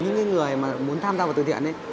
những người mà muốn tham gia vào từ thiện ấy